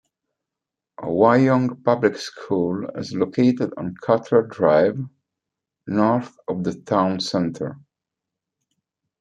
Wyong Public School is located on Cutler Drive, north of the town centre.